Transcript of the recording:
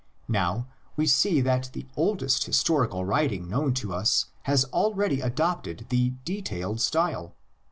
Now we see that the oldest historical writing known to us has already adopted the "detailed" style.